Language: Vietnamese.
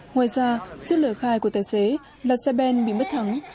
ngoài ra trước lời khai của tài xế là xe ben bị mất thắng